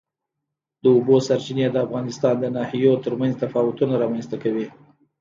د اوبو سرچینې د افغانستان د ناحیو ترمنځ تفاوتونه رامنځ ته کوي.